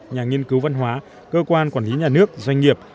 nhà nghiên cứu văn hóa cơ quan quản lý nhà nước doanh nghiệp